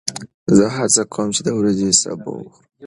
زه هڅه کوم چې د ورځې سبو وخورم.